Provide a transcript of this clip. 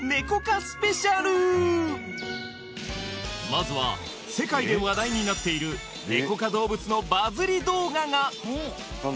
スペシャルまずは世界で話題になっているネコ科動物のバズリ動画が！